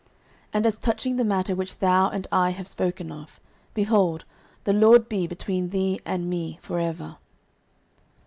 09:020:023 And as touching the matter which thou and I have spoken of, behold, the LORD be between thee and me for ever.